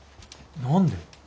何で？